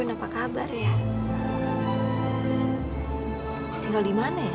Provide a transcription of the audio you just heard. apakah kamu akan membeli belah